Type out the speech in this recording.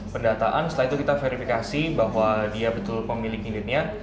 pendataan setelah itu kita verifikasi bahwa dia betul pemilik unitnya